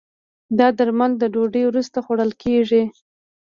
دا درمل د ډوډی وروسته خوړل کېږي.